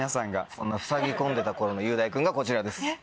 そんなふさぎ込んでた頃の雄大君がこちらです。